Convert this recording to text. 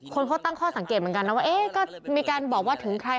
คนเขาตั้งข้อสังเกตเหมือนกันนะว่าเอ๊ะก็มีการบอกว่าถึงใคร